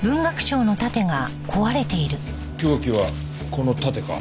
凶器はこの盾か。